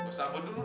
bisa abut dulu dah